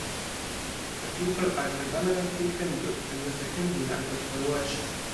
The people are predominantly Hindu, and use the Hindi language for worship.